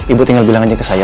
ibu tinggal bilang aja ke saya